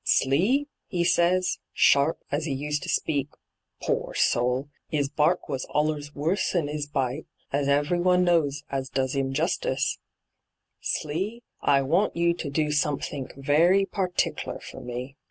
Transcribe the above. " Slee," he see, sharp, as he used to speak — poor soul ! 'is bark was allers wuBS than 'is bite, as everyone knows as does 'im juatice —" Slee, I want you to do some think very partickler for me.